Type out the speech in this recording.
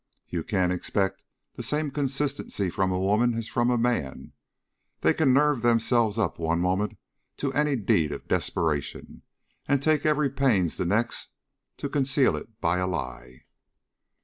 "You can't expect the same consistency from a woman as from a man. They can nerve themselves up one moment to any deed of desperation, and take every pains the next to conceal it by a lie."